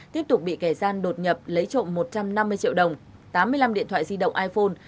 tiếp tục bị kẻ gian đột nhập lấy trộm một trăm năm mươi triệu đồng tám mươi năm điện thoại di động iphone